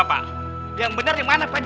saya sudah disalein